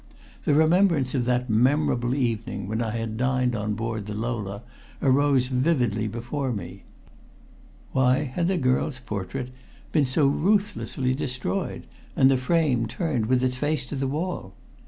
The remembrance of that memorable evening when I had dined on board the Lola arose vividly before me. Why had the girl's portrait been so ruthlessly destroyed and the frame turned with its face to the wall?